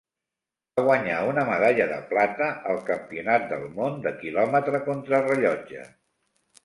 Va guanyar una medalla de plata al Campionat del món de quilòmetre contrarellotge.